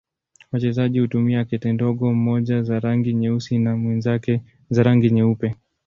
Wachezaji hutumia kete ndogo, mmoja za rangi nyeusi na mwenzake za rangi nyeupe.